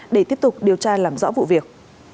để tiếp tục điều tra làm rõ vụ việc